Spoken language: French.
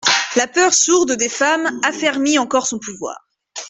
La peur sourde des femmes affermit encore son pouvoir.